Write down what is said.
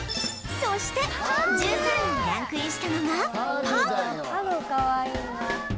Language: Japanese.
そして１３位にランクインしたのがパグパグかわいい。